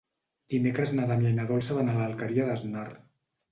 Dimecres na Damià i na Dolça van a l'Alqueria d'Asnar.